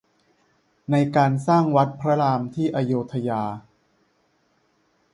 ในการสร้างวัดพระรามที่อโยธยา